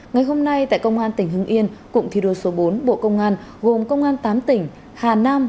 ngày hôm nay tại công an tỉnh hưng yên cụm thi đua số bốn bộ công an gồm công an tám tỉnh hà nam